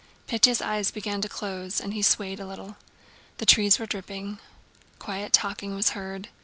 Pétya's eyes began to close and he swayed a little. The trees were dripping. Quiet talking was heard.